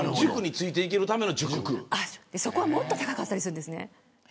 そこはもっと高かったりするんです。